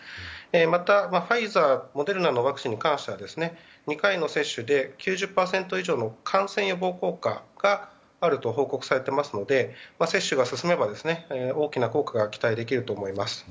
またファイザー、モデルナのワクチンに関しては２回の接種で９０％以上の感染予防効果があると報告されていますので接種が進めば大きな効果が期待できると思います。